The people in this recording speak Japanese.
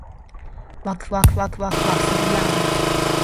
わくわくわくわくわくするやーん